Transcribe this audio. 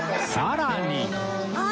さらに